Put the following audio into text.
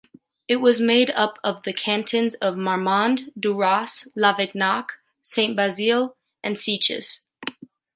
It was made up off the cantons of Marmande, Duras, Levignac, Sainte Bazeille and Seiches.